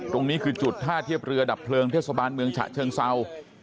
ตรงนี้คือจุดท่าเทียบเรือดับเพลิงเทศบาลเมืองฉะเชิงเศร้า